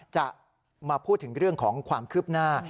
จะมาพูดถึงเรื่องของความคืบหน้า